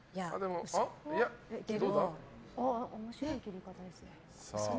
面白い切り方ですね。